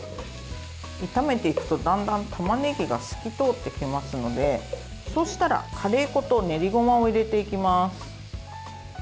炒めていくと、だんだんたまねぎが透き通ってきますのでそうしたら、カレー粉とねりごまを入れていきます。